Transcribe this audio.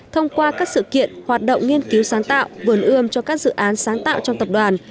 thông qua các sự kiện hoạt động nghiên cứu sáng tạo vườn ươm cho các dự án sáng tạo trong tập đoàn